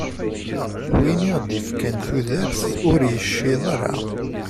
Win i aɣ-d-ifkan tudert, ur yecciḍ ara.